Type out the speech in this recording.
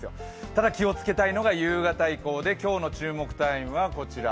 ただ気をつけたいのが夕方以降で今日の注目タイムはこちら。